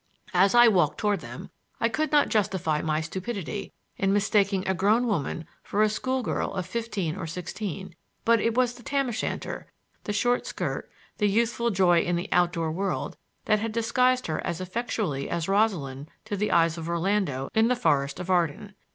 As I walked toward them I could not justify my stupidity in mistaking a grown woman for a school girl of fifteen or sixteen; but it was the tam o' shanter, the short skirt, the youthful joy in the outdoor world that had disguised her as effectually as Rosalind to the eyes of Orlando in the forest of Arden.